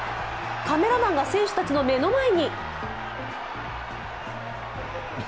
カメラマンが選手たちの目の前に。